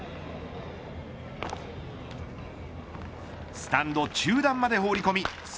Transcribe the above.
スタンド中段まで放り込み侍